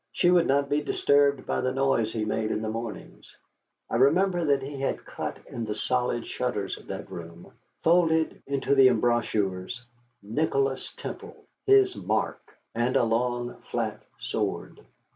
She would not be disturbed by the noise he made in the mornings. I remember that he had cut in the solid shutters of that room, folded into the embrasures, "Nicholas Temple, His Mark," and a long, flat sword.